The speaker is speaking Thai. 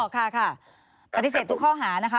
ค่ะค่ะปฏิเสธทุกข้อหานะคะ